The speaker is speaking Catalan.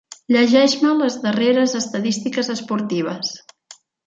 Llegeix-me les darreres estadístiques esportives.